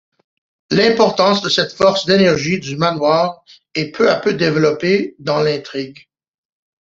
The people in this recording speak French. L'importance de cette force d'énergie du manoir est peu à peu développée dans l'intrigue.